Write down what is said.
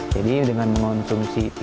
jadi dengan mengonsumsi tiga